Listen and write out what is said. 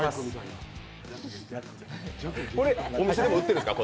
これお店でも売っているんですか？